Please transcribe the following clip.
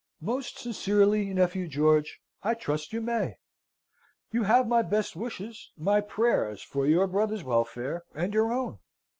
"Most sincerely, nephew George, I trust you may. You have my best wishes, my prayers, for your brother's welfare and your own.